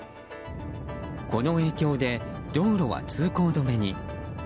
この影響で、道路は通行止めに。